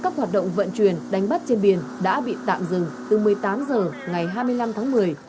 các hoạt động vận chuyển đánh bắt trên biển đã bị tạm dừng từ một mươi tám h ngày hai mươi năm tháng một mươi